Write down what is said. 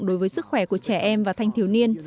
đối với sức khỏe của chính quyền